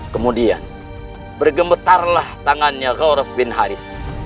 kemudian bergemetarlah tangannya ghawras bin harith